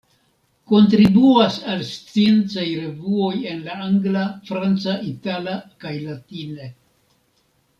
Kontribuas al sciencaj revuoj en la angla, franca, itala kaj latine.